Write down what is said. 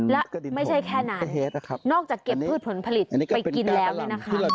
และไม่ใช่แค่นั้นนอกจากเก็บพืชผลผลิตไปกินแล้วเนี่ยนะคะ